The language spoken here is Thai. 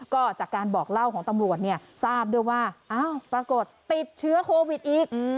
ก็จากการบอกเล่าของตำรวจเนี่ยทราบด้วยว่าอ้าวปรากฏติดเชื้อโควิดอีก